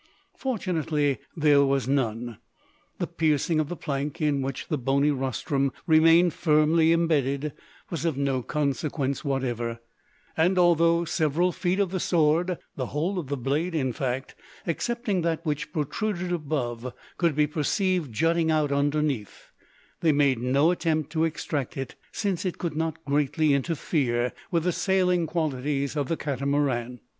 Fortunately there was none. The piercing of the plank, in which the bony rostrum remained firmly imbedded, was of no consequence whatever; and, although several feet of the "sword," the whole of the blade, in fact, excepting that which protruded above, could be perceived jutting out underneath, they made no attempt to "extract" it: since it could not greatly interfere with the sailing qualities of the Catamaran.